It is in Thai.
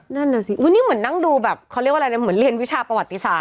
นั่นน่ะสิอุ้ยนี่เหมือนนั่งดูแบบเขาเรียกว่าอะไรนะเหมือนเรียนวิชาประวัติศาส